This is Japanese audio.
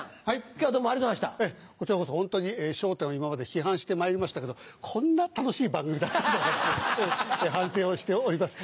こちらこそ『笑点』を今まで批判してまいりましたけどこんな楽しい番組だったんだなと反省をしております。